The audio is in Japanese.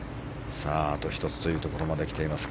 あと１つというところまで来ています